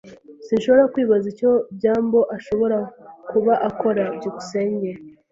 Sinshobora kwibaza icyo byambo ashobora kuba akora. byukusenge